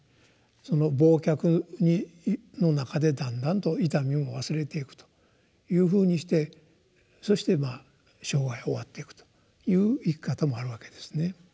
その忘却の中でだんだんと痛みも忘れていくというふうにしてそして生涯を終わっていくという生き方もあるわけですね。